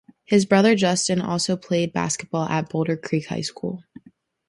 His brother Justin also played basketball at Boulder Creek High School.